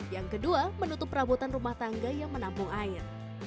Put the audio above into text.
yang kedua menutup perabotan rumah tangga yang menampung air